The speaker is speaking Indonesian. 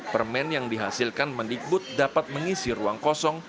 permen yang dihasilkan mendikbud dapat mengisi ruang kosong